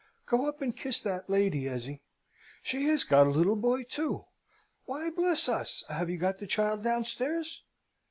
Go up and kiss that lady, Ezzy. She has got a little boy, too. Why, bless us! have you got the child downstairs?"